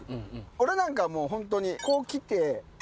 俺なんかもうホントに。